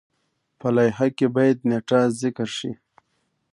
په لایحه کې باید نیټه ذکر شي.